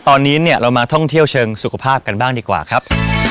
ตอนนี้เนี่ยเรามาท่องเที่ยวเชิงสุขภาพกันบ้างดีกว่าครับ